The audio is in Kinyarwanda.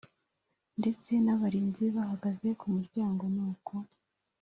ndetse n’abarinzi bahagaze kumuryango nuko